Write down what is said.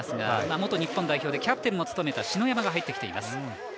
元日本代表でキャプテンも務めた篠山が入ってきています。